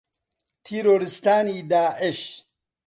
تیرۆریستانی داعش